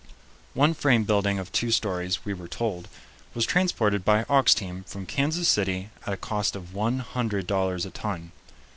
One frame building of two stories, we were told, was transported by ox team from Kansas City at a cost of one hundred dollars a ton.